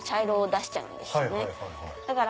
だから。